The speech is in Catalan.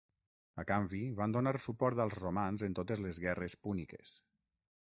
A canvi, van donar suport als romans en totes les guerres púniques.